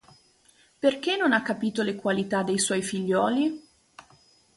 Perché non ha capito le qualità dei suoi figlioli?